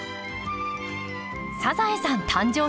「サザエさん」誕生秘話。